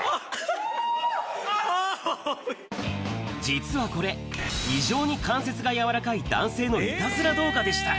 実はこれ、異常に関節が柔らかい男性のいたずら動画でした。